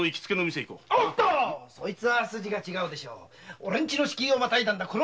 オレんちの敷居をまたいだんだ。